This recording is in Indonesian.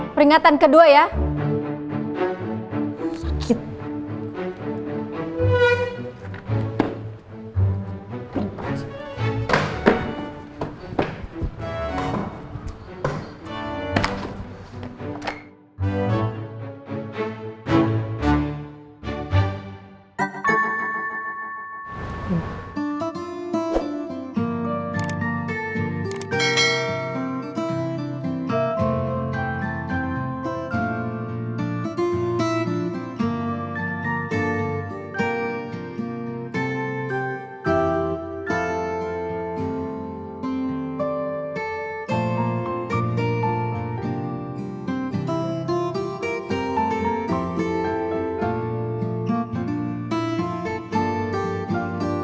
peringatan kedua ya